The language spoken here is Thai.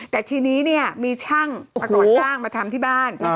แต่ทีนี้เนี่ยมีช่างมาก่อสร้างมาทำที่บ้าน